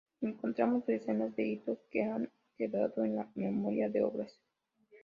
Encontramos decenas de hitos que han quedado en la memoria de Obras.